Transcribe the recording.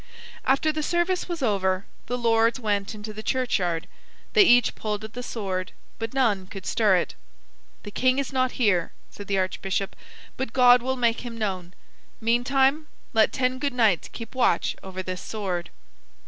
After the service was over, the lords went into the churchyard. They each pulled at the sword, but none could stir it. "The king is not here," said the archbishop, "but God will make him known. Meantime, let ten good knights keep watch over this sword."